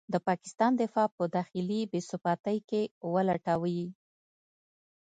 د پاکستان دفاع په داخلي بې ثباتۍ کې ولټوي.